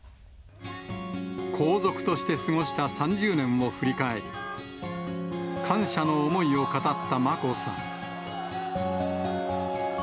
皇族として過ごした３０年を振り返り、感謝の思いを語った眞子さん。